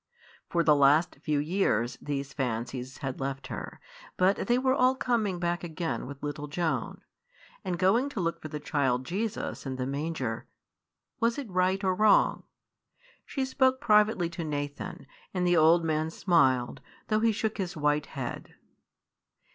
For the last few years these fancies had left her, but they were all coming back again with little Joan. And going to look for the child Jesus in the manger; was it right or wrong? She spoke privately to Nathan, and the old man smiled, though he shook his white head.